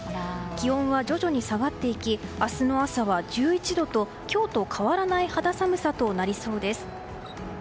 気温は徐々に下がっていき明日の朝は１１度と今日と変わらない肌寒さとなりそうです。